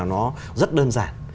nó rất đơn giản